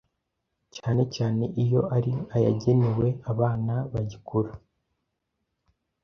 cyane cyane iyo ari ayagenewe abana bagikura